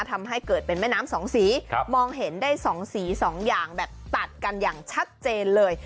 ทำให้เกิดเป็นแม่น้ำสองสีมองเห็นได้๒สี๒อย่างแบบตัดกันอย่างชัดเจนเลย